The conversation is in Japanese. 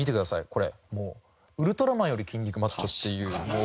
これもうウルトラマンより筋肉マッチョっていう。